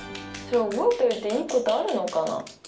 それ覚えといていいことあるのかな？